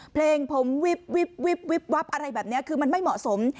เพลงผมวิบวิบวับอะไรแบบนี้คือมันไม่เหมาะสม